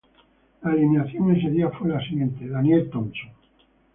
La alineación ese día fue la siguiente: Daniel Thompson.